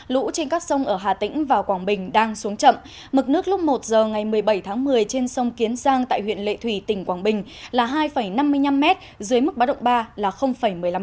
lũ trên các sông ở hà tĩnh và quảng bình đang xuống chậm mực nước lúc một giờ ngày một mươi bảy tháng một mươi trên sông kiến giang tại huyện lệ thủy tỉnh quảng bình là hai năm mươi năm m dưới mức bá động ba là một mươi năm m